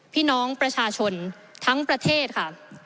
พี่น้องประชาชนทั้งประเทศค่ะ